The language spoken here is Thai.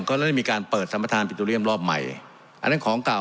ก็ได้มีการเปิดสัมประธานปิโตเรียมรอบใหม่อันนั้นของเก่า